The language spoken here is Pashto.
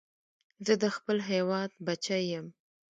زه د خپل هېواد بچی یم